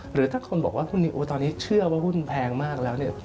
หรือถ้าคนบอกว่าหุ้นนิวตอนนี้เชื่อว่าหุ้นแพงมากแล้วเนี่ย